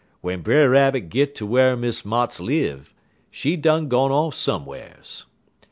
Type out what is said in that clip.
W'en Brer Rabbit git ter whar Miss Motts live, she done gone off some'rs.